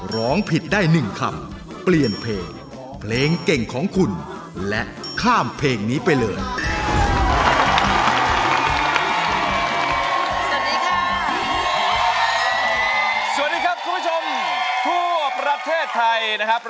ร้องผิดได้๑คำเปลี่ยนเพลงเพลงเก่งของคุณและข้ามเพลงนี้ไปเลย